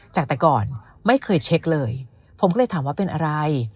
จากแต่ก่อนไม่เคยเช็คเลยผมก็เลยถามว่าเป็นอะไร